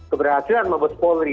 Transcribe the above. keberhasilan mabes wallery